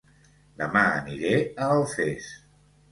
Dema aniré a Alfés